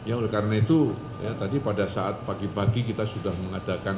ya oleh karena itu ya tadi pada saat pagi pagi kita sudah mengadakan